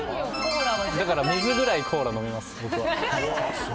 だから水ぐらいコーラ飲みます。